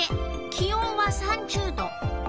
気温は３０℃。